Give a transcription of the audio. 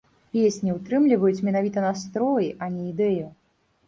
Песні ўтрымліваюць менавіта настрой, а не ідэю.